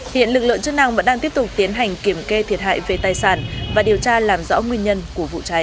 hiện lực lượng chức năng vẫn đang tiếp tục tiến hành kiểm kê thiệt hại về tài sản và điều tra làm rõ nguyên nhân của vụ cháy